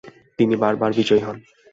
তিনি বারবার বিজয়ী হন।